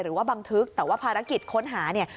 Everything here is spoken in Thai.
หรือว่าบังทึกแต่ว่าภารกิจค้นหาเนี้ย